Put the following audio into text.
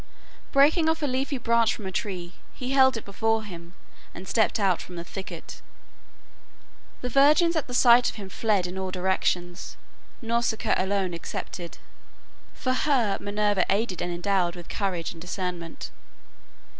Breaking off a leafy branch from a tree, he held it before him and stepped out from the thicket. The virgins at sight of him fled in all directions, Nausicaa alone excepted, for HER Minerva aided and endowed with courage and discernment.